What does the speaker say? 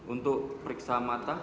untuk periksa mata